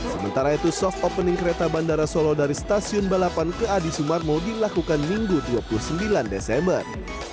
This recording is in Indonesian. sementara itu soft opening kereta bandara solo dari stasiun balapan ke adi sumarmo dilakukan minggu dua puluh sembilan desember